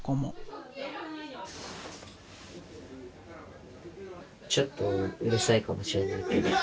ちょっとうるさいかもしれないけど楽しいです。